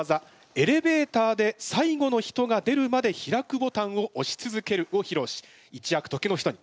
「エレベーターで最後の人が出るまで開くボタンをおし続ける」をひろうしいちやく時の人に！